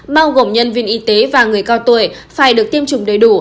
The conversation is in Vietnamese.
bao gồm nhân viên y tế và người cao tuổi phải được tiêm chủng đầy đủ